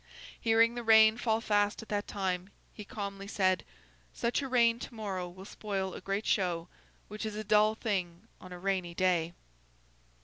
Hearing the rain fall fast at that time, he calmly said, 'Such a rain to morrow will spoil a great show, which is a dull thing on a rainy day.